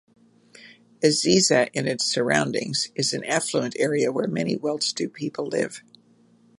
Ezeiza and its surroundings is an affluent area where many well-to-do people live.